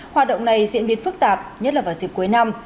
hoạt động này diễn biến phức tạp nhất là vào dịp cuối năm